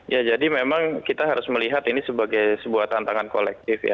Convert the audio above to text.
ya jadi memang kita harus melihat ini sebagai sebuah tantangan kolektif ya